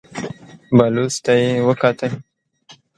بلوڅ ته يې وکتل.